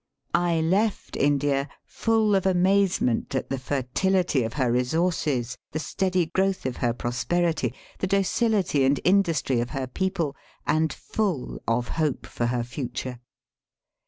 I left India full of amazement at the fertility of her resources, the steady growth of her prosperity, the docility and industry of her people, and full of hope for her future.